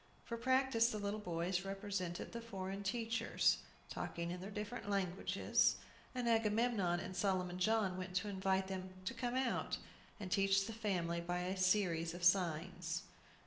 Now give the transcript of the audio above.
For practice, the little boys represented the foreign teachers talking in their different languages, and Agamemnon and Solomon John went to invite them to come out, and teach the family by a series of signs.